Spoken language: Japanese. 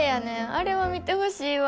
あれは見てほしいわ。